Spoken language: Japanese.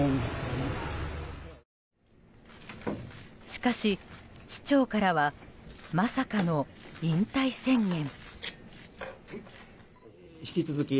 しかし、市長からはまさかの引退宣言。